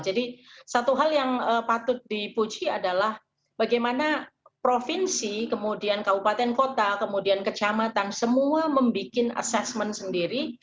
satu hal yang patut dipuji adalah bagaimana provinsi kemudian kabupaten kota kemudian kecamatan semua membuat assessment sendiri